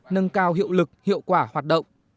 nâng cao hiệu lực hiệu quả hoạt động